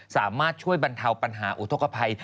สามารถช่วยบรรเทาปัญหาอุทธกภัย